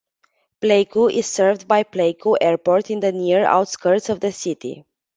Pleiku is served by Pleiku Airport in the near outskirts of the city.